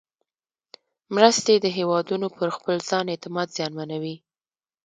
مرستې د هېوادونو پر خپل ځان اعتماد زیانمنوي.